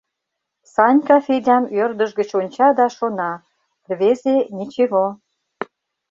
Санька Федям ӧрдыж гыч онча да шона: «Рвезе ничего.